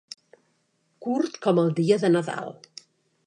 Curt com el dia de Nadal.